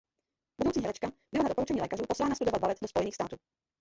Budoucí herečka byla na doporučení lékařů poslána studovat balet do Spojených států.